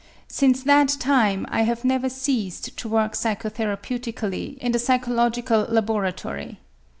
Since that time I have never ceased to work psychotherapeutically in the psychological laboratory.